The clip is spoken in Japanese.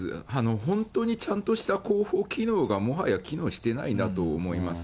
本当にちゃんとした広報機能がもはや機能していないなと思います。